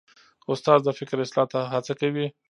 استاد د فکر اصلاح ته هڅه کوي.